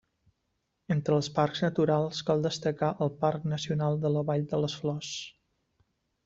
Entre els parcs naturals cal destacar el Parc Nacional de la Vall de les Flors.